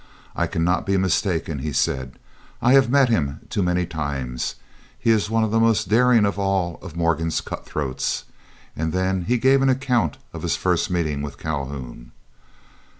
"I cannot be mistaken," he said; "I have met him too many times. He is one of the most daring of all of Morgan's cutthroats"; and then he gave an account of his first meeting with Calhoun.